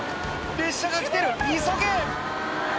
列車が来てる急げ！